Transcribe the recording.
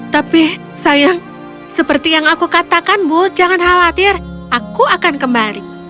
tapi sayang seperti yang aku katakan bu jangan khawatir aku akan kembali